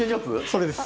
それです。